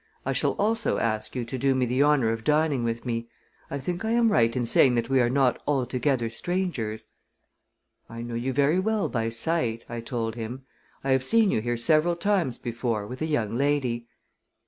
I shall also ask you to do me the honor of dining with me. I think I am right in saying that we are not altogether strangers?" "I know you very well by sight," I told him. "I have seen you here several times before with a young lady."